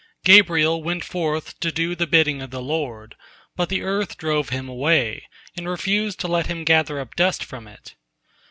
Gabriel went forth to do the bidding of the Lord, but the earth drove him away, and refused to let him gather up dust from it.